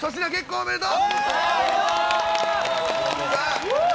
おめでとう。